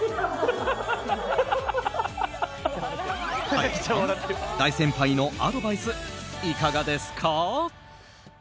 大樹さん、大先輩のアドバイスいかがですか？